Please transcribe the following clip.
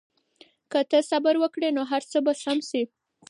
که ته صبر وکړې نو هر څه به سم شي.